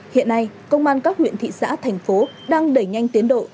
hiện nay công an các huyện thị xã thành phố đang đẩy nhanh tiến độ